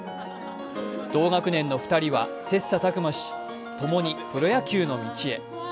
同学年の２人は切磋琢磨し共にプロ野球の道へ。